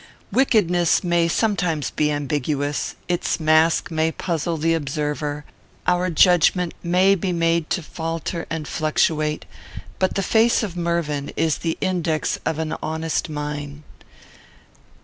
Wickedness may sometimes be ambiguous, its mask may puzzle the observer; our judgment may be made to falter and fluctuate, but the face of Mervyn is the index of an honest mind.